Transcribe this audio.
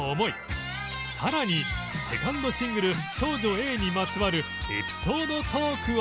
更に２ｎｄシングル「少女Ａ」にまつわるエピソードトークを。